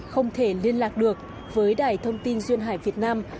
không thể liên lạc được với đài thông tin duyên hải việt nam